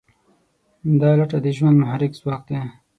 دا لټه د ژوند محرک ځواک دی.